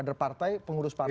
kadar partai pengurus partai